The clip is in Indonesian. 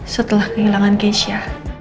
setelah kehilangan geisha